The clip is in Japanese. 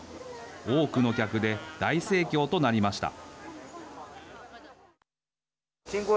多くの客で大盛況となりました。